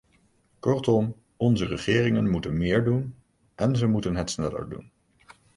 Kortom, onze regeringen moeten meer doen, en ze moeten het sneller doen.